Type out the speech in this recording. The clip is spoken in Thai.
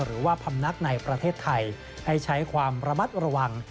หรือว่าพำนักในประเทศไทยให้ใช้ความระมัดระวัง